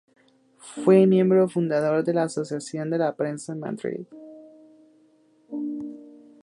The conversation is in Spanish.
Fue miembro fundador de la Asociación de la Prensa en Madrid.